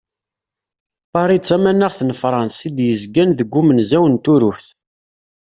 Paris d tamanaxt n Frans i d-yezgan deg umenẓaw n Turuft.